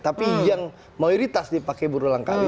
tapi yang mayoritas dipakai berulang kali